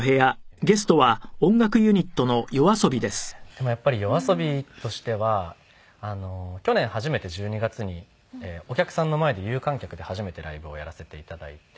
でもやっぱりＹＯＡＳＯＢＩとしては去年初めて１２月にお客さんの前で有観客で初めてライブをやらせて頂いて。